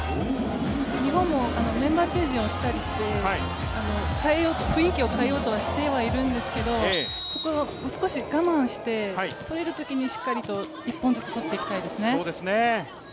日本もメンバーチェンジをしたりして、雰囲気を変えようとしてはいるんですけど、少し我慢して取れるときに、しっかりと１本ずつ取っていきたいですね。